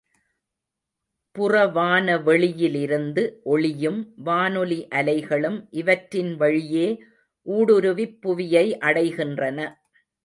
புறவான வெளியிலிருந்து ஒளியும் வானொலி அலைகளும் இவற்றின் வழியே ஊடுருவிப் புவியை அடைகின்றன.